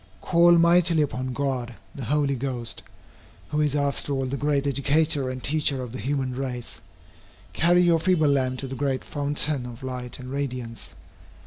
Call mightily upon God the Holy Ghost, who is after all the great educator and teacher of the human race. Carry your feeble lamp to the great fountain of light and radiance.